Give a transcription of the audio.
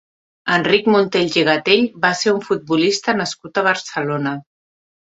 Enric Montells i Gatell va ser un futbolista nascut a Barcelona.